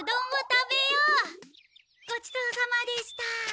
ごちそうさまでした。